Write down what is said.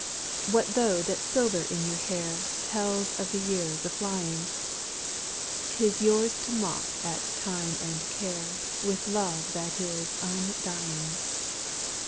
What though that silver in your hair Tells of the years aflying? 'T is yours to mock at Time and Care With love that is undying.